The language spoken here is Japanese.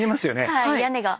はい屋根が。